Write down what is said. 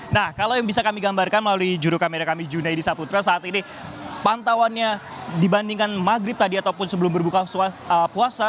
nah kalau yang bisa kami gambarkan melalui juru kamera kami junaidi saputra saat ini pantauannya dibandingkan maghrib tadi ataupun sebelum berbuka puasa